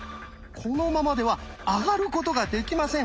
このままではあがることができません。